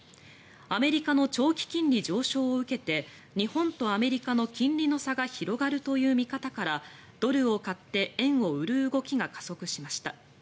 アメリカの長期金利上昇を受けて日本とアメリカの金利の差が広がるという見方からドルを買って円を売る動きが加速しました。